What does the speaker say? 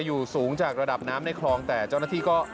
อยู่สูงจากระดับน้ำในคลองแต่เจ้าหน้าที่ก็